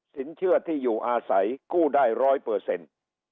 สินเชื่อที่อยู่อาศัยกู้ได้ร้อยเปอร์เซ็นต์